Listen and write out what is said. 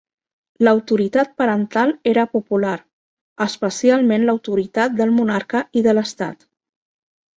L'autoritat parental era popular, especialment l'autoritat del monarca i de l'estat.